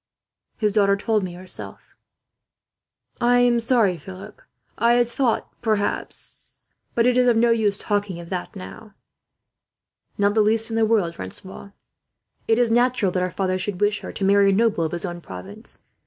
"His daughter told me herself," Philip said. "I am sorry, Philip. I had thought, perhaps but it is of no use talking of that, now." "Not the least in the world, Francois. It is natural that her father should wish her to marry a noble of his own province.